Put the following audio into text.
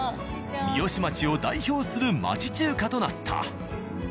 三芳町を代表する町中華となった。